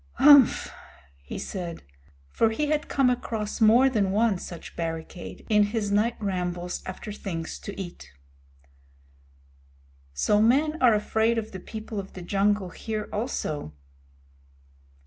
"Umph!" he said, for he had come across more than one such barricade in his night rambles after things to eat. "So men are afraid of the People of the Jungle here also."